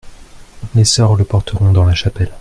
Les soeurs le porteront dans la chapelle.